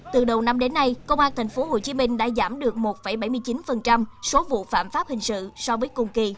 từ đầu năm đến nay công an tp hcm đã giảm được một bảy mươi chín số vụ phạm pháp hình sự so với cùng kỳ